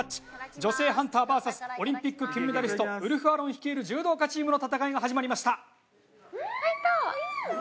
女性ハンターバーサスオリンピック金メダリストウルフアロン率いる柔道家チームの戦いが始まりました。